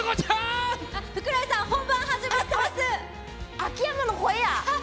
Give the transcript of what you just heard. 秋山の声や。